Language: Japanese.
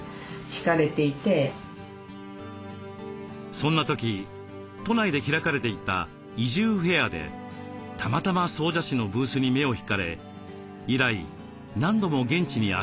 そんな時都内で開かれていた「移住フェア」でたまたま総社市のブースに目を引かれ以来何度も現地に足を運びました。